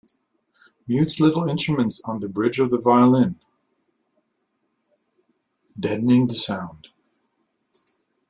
Mutes little instruments on the bridge of the violin, deadening the sound.